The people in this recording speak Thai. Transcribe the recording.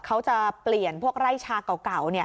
เขาจะเปลี่ยนพวกไร่ชาเก่า